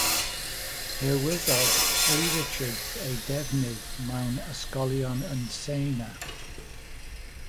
Hyrwyddodd A. Richards ei ddefnydd mewn ysgolion yn Tsieina.